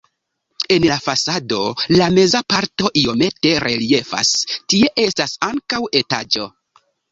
En la fasado la meza parto iomete reliefas, tie estas ankaŭ etaĝo.